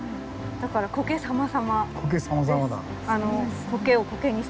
だからコケさまさまです。